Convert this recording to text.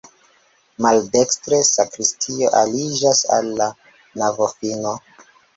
Maldekstre sakristio aliĝas al la navofino.